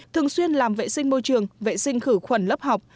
thường xuyên làm vệ sinh môi trường vệ sinh khử khuẩn lớp học